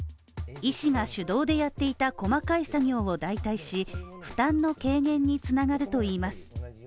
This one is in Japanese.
医師が主導でやっていた細かい作業を代替し、負担の軽減に繋がるといいます。